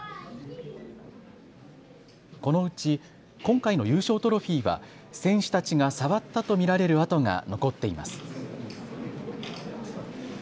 このうち今回の優勝トロフィーは選手たちが触ったと見られる跡が残っています。